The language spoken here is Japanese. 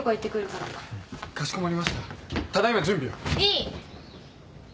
いい。